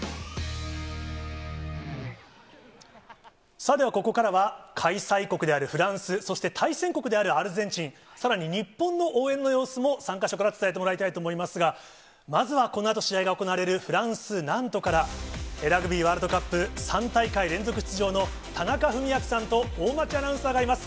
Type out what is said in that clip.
さあ、ではここからは、開催国であるフランス、そして対戦国であるアルゼンチン、さらに日本の応援の様子も３か所から伝えてもらいたいと思いますが、まずはこのあと試合が行われるフランス・ナントから、ラグビーワールドカップ３大会連続出場の田中史朗さんと大町アナウンサーがいます。